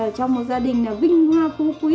và cho một gia đình là vinh hoa vui quý